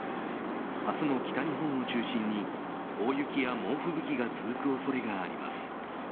明日も北日本を中心に大雪や猛吹雪が続く恐れがあります。